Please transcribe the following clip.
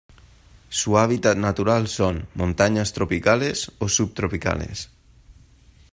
Su hábitat natural son: montañas tropicales o subtropicales.